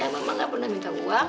emang nggak pernah minta uang